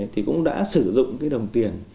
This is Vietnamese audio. thì cũng đã sử dụng cái đồng tiền